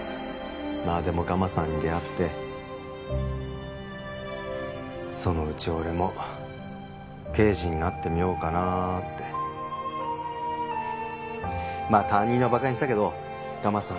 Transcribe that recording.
まあでもガマさんに出会ってそのうち俺も刑事になってみようかなってまあ担任はバカにしたけどガマ